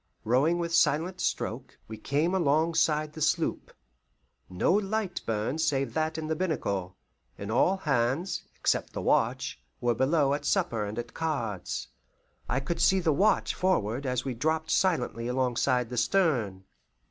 Rowing with silent stroke, we came alongside the sloop. No light burned save that in the binnacle, and all hands, except the watch, were below at supper and at cards. I could see the watch forward as we dropped silently alongside the stern.